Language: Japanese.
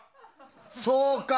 そうか。